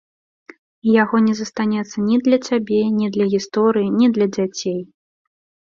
І яго не застанецца ні для цябе, ні для гісторыі, ні для дзяцей.